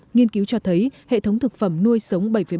nghiên cứu cho thấy hệ thống thực phẩm nuôi sống bảy bảy